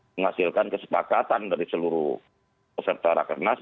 menghasilkan kesepakatan dari seluruh peserta rakernas